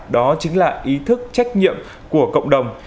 đó chính là ý thức trách nhiệm của cộng đồng